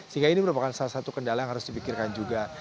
sehingga ini merupakan salah satu kendala yang harus dipikirkan juga